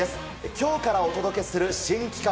きょうからお届けする新企画。